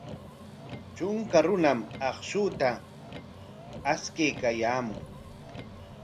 Trunka runam akshuta ashtaykaayaamun.